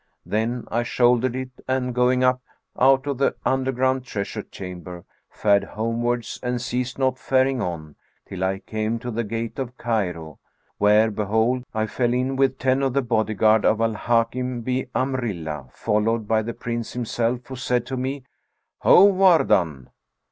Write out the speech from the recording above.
Then I shouldered it and, going up out of the underground treasure chamber, fared homewards and ceased not faring on, till I came to the gate of Cairo, where behold, I fell in with ten of the bodyguard of Al Hakim bi' Amri'llah[FN#435] followed by the Prince himself who said to me, 'Ho, Wardan!'